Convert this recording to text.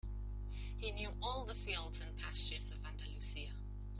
He knew all the fields and pastures of Andalusia.